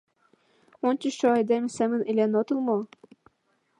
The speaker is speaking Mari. — Ончычшо айдеме семын илен отыл мо?